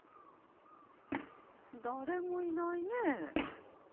誰もいないね。